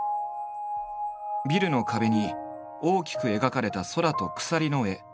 ビルの壁に大きく描かれた空と鎖の絵。